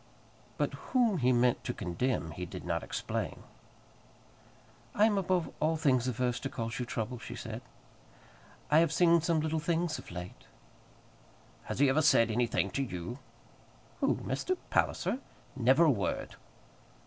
But whom he meant to condemn he did not explain. "I am above all things averse to cause you trouble," she said. "I have seen some little things of late " "Has he ever said anything to you?" "Who, Mr. Palliser? Never a word."